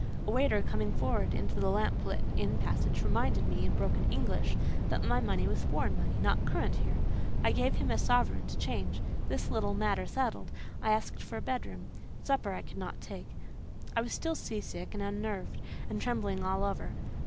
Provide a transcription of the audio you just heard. A waiter, coming forward into the lamp lit inn passage, reminded me, in broken English, that my money was foreign money, not current here. I gave him a sovereign to change. This little matter settled, I asked for a bedroom; supper I could not take: I was still sea sick and unnerved, and trembling all over.